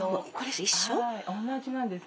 はい同じなんです。